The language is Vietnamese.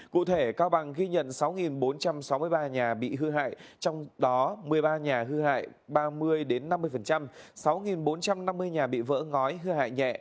cụ thể cao bằng ghi nhận sáu bốn trăm sáu mươi ba nhà bị hư hại trong đó một mươi ba nhà hư hại ba mươi năm mươi